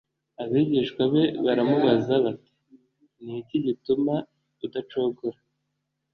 Abigishwa be baramubaza bati Ni iki gituma udacogora